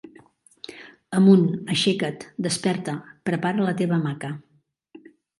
"Amunt, aixeca't, desperta, prepara la teva hamaca".